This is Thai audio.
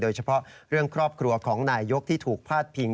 โดยเฉพาะเรื่องครอบครัวของนายยกที่ถูกพาดพิง